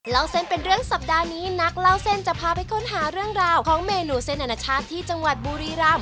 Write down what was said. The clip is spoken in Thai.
เล่าเส้นเป็นเรื่องสัปดาห์นี้นักเล่าเส้นจะพาไปค้นหาเรื่องราวของเมนูเส้นอนาชาติที่จังหวัดบุรีรำ